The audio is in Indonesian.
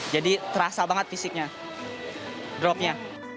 jadi terasa banget fisiknya dropnya